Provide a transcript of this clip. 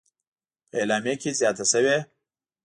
په اعلامیه کې زیاته شوې: